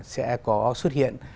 sẽ có xuất hiện